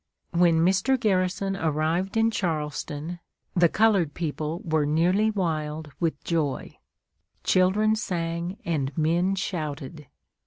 When Mr. Garrison arrived in Charleston, the colored people were nearly wild with joy. Children sang and men shouted.